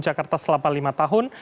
jakarta selama lima tahun